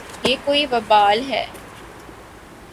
یہ کوئی وبال ہے۔